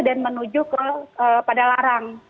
dan menuju ke padalarang